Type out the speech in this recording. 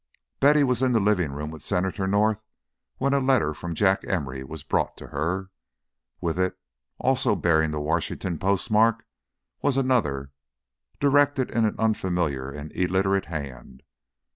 Betty was in the living room with Senator North when a letter from Jack Emory was brought to her. With it, also bearing the Washington postmark, was another, directed in an unfamiliar and illiterate hand.